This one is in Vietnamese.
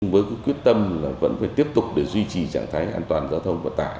với quyết tâm là vẫn phải tiếp tục để duy trì trạng thái an toàn giao thông vận tải